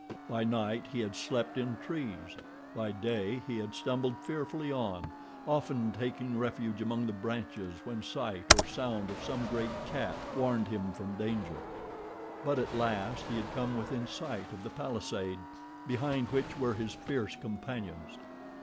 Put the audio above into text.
By night he had slept in trees. By day he had stumbled fearfully on, often taking refuge among the branches when sight or sound of some great cat warned him from danger. But at last he had come within sight of the palisade behind which were his fierce companions.